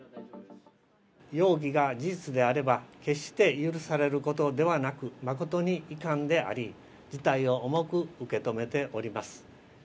容疑が事実であれば決して許されることではなく、誠に遺憾であり、事態を重く受け止めております。